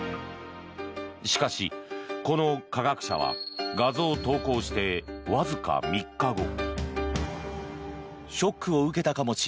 しかし、この科学者は画像投稿してわずか３日後。